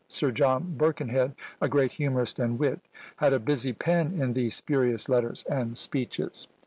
Sir John Birkenhead, a great humourist and wit, had a busy pen in these spurious letters and speeches.